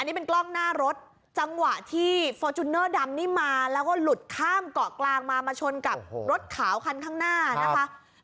นี่เป็นกล้องหน้ารถจังหวะที่ฟอร์จูเนอร์ดำนี่มาแล้วก็หลุดข้ามเกาะกลางมามาชนกับรถขาวคันข้างหน้านะคะ